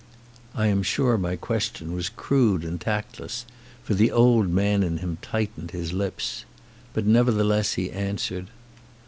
I am sure my question was crude and tactless, for the old man in him tightened his lips. But nevertheless he answered.